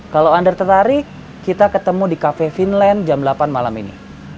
kalau under tertarik kita ketemu di cafe finland jam delapan malam ini